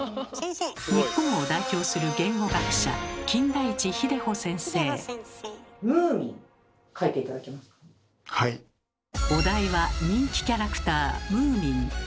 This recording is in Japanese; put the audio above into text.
日本を代表するお題は人気キャラクター「ムーミン」。